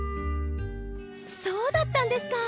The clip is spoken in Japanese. そうだったんですか。